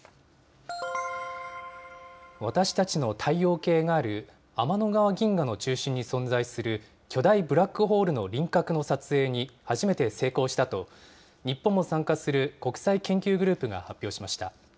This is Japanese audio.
私たちの太陽系がある天の川銀河の中心に存在する巨大ブラックホールの輪郭の撮影に初めて成功したと、日本も参加する国際研究グループが発表しました。